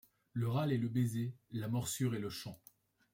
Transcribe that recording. Le râle et le baiser, la morsure et le chant